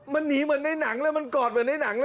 มันหนีเหมือนในหนังเลยมันกอดเหมือนในหนังเลย